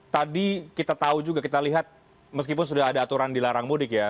tadi kita tahu juga kita lihat meskipun sudah ada aturan dilarang mudik ya